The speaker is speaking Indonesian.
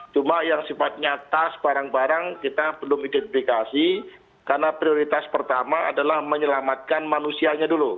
cuma yang sifatnya tas barang barang kita belum identifikasi karena prioritas pertama adalah menyelamatkan manusianya dulu